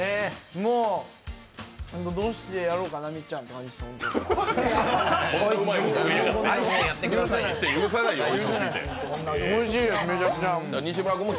もうどうしてやろうかなみっちゃんっていう感じです。